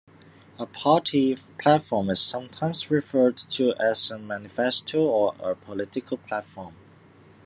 A party platform is sometimes referred to as a manifesto or a political platform.